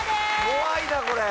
怖いなこれ。